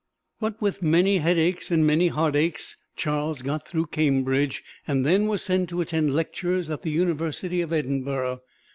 But with many headaches and many heartaches Charles got through Cambridge and then was sent to attend lectures at the University of Edinburgh.